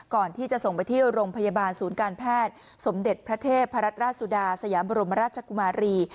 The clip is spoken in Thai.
ก่อนที่จะส่งไปที่โรงพยาบาลศูนย์การแพทย์สมเด็จพระเทพรัชราชสุดาสยามบรมราชกุมารี